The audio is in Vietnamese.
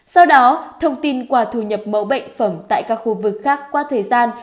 sau đó thông tin qua thu nhập mẫu bệnh phẩm tại các khu vực khác qua thời gian